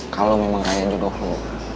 kalo memang raya jodoh lo